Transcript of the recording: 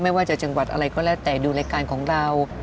ไม่ว่าจะจังหวัดอะไรก็แล้วแต่ดูรายการของเรา